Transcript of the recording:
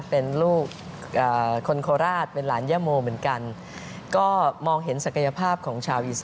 เป็นลูกคนโคราชเป็นหลานเยอะโมเหมือนกัน